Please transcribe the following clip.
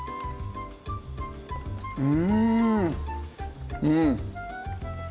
うんうん